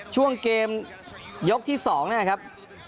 ช่วงเกมยกที่๒นะครับ